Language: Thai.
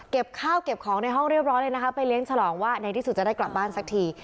ข้าวเก็บของในห้องเรียบร้อยเลยนะคะไปเลี้ยงฉลองว่าในที่สุดจะได้กลับบ้านสักที